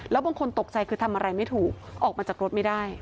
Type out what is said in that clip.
แล้วบางคนตกใจคือทำอะไรไม่ถูกออกมาจากรถไม่ได้